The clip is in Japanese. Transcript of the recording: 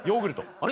あれ？